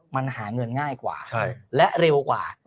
มันหาเงินง่ายกว่าและเร็วกว่า